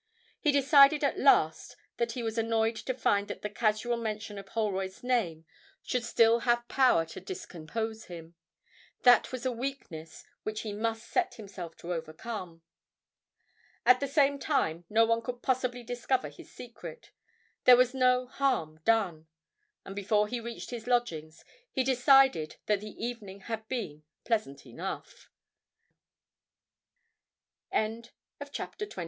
He decided at last that he was annoyed to find that the casual mention of Holroyd's name should still have power to discompose him that was a weakness which he must set himself to overcome. At the same time no one could possibly discover his secret; there was no harm done. And before he reached his lodgings, he decided that the evening had been pleasant enough. CHAPTER XXII.